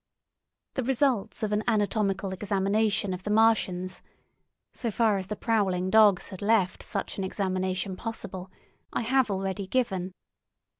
The results of an anatomical examination of the Martians, so far as the prowling dogs had left such an examination possible, I have already given.